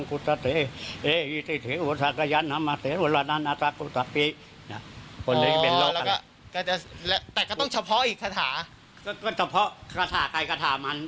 ก็ต้องเฉพาะคาถาใครคาถามัน